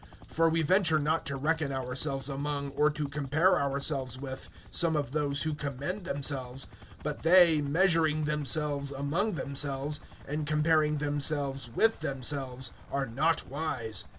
(12)For we venture not to reckon ourselves among, or to compare ourselves with, some of those who commend themselves; but they, measuring themselves among themselves, and comparing themselves with themselves, are not wise.